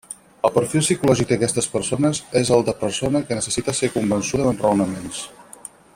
El perfil psicològic d'aquestes persones és el de persona que necessita ser convençuda amb raonaments.